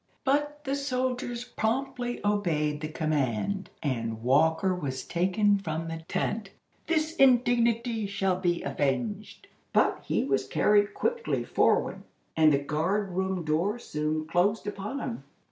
But the soldiers promptly obeyed the command, and Walker was taken from the tent. "This indignity shall be avenged!" but he was carried quickly forward, and the guard room door soon closed upon him.